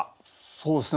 そうですね